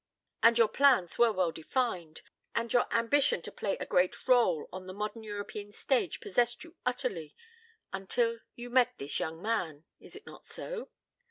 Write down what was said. "And your plans were well defined, and your ambition to play a great rôle on the modern European stage possessed you utterly until you met this young man is it not so?"